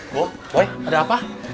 kum boy ada apa